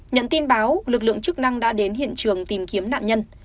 nhận tin báo lực lượng chức năng đã đến hiện trường tìm kiếm nạn nhân